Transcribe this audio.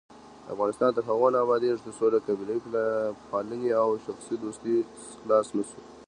افغانستان تر هغو نه ابادیږي، ترڅو له قبیلې پالنې او شخصي دوستۍ خلاص نشو.